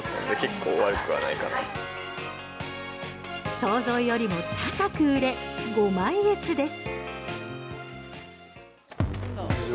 想像よりも高く売れご満悦です。